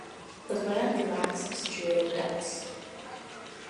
The gland lacks striated ducts.